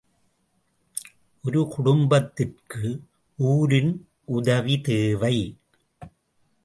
ஒரு குடும்பத்திற்கு ஊரின் உதவி தேவை.